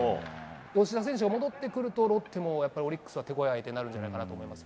吉田選手が戻ってくるとロッテもオリックスに手ごわい相手になると思います。